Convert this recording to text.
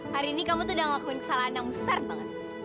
hari ini kamu tuh udah ngelakuin kesalahan yang besar banget